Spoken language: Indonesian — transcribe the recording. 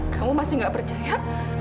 kamu masih enggak percaya